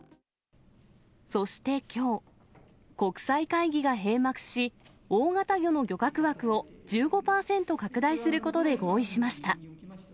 そしてきょう、国際会議が閉幕し、大型魚の漁獲枠を１５％拡大することで合意しました。